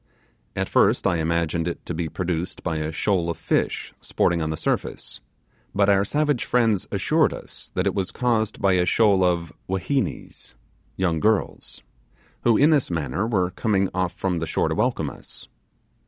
At first I imagined it to be produced by a shoal of fish sporting on the surface, but our savage friends assured us that it was caused by a shoal of 'whinhenies' (young girls), who in this manner were coming off from the shore to welcome is.